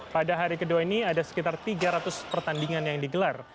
pada hari kedua ini ada sekitar tiga ratus pertandingan yang digelar